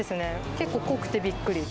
結構濃くてびっくり。